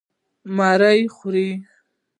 _مړۍ خورې؟